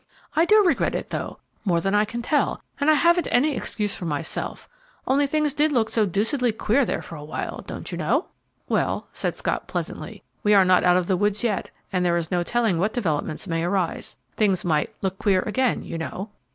"I do regret it, though, more than I can tell, and I haven't any excuse for myself; only things did look so deucedly queer there for a while, don't you know?" "Well," said Scott, pleasantly, "we are not out of the woods yet, and there is no telling what developments may arise. Things might 'look queer' again, you know."